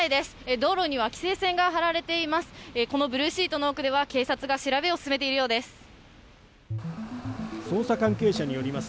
道路には規制線が張られています。